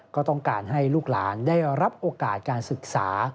ก็ต้องการให้ลูกหลานได้รับโอกาสการศึกษา